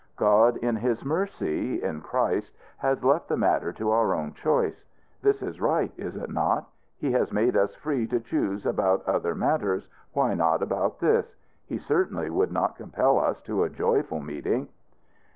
God, in his mercy in Christ, has left the matter to our own choice. This is right, is it not? He has made us free to choose about other matters why not about this? He certainly would not compel us to a joyful meeting.